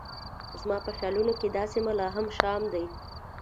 زما په خیالونو کې دا سیمه لا هم شام دی.